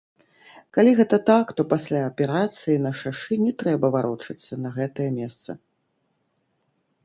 Калі гэта так, то пасля аперацыі на шашы не трэба варочацца на гэтае месца.